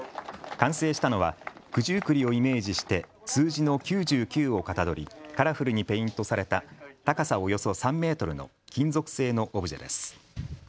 完成したのは九十九里をイメージして数字の９９をかたどり、カラフルにペイントされた高さおよそ３メートルの金属製のオブジェです。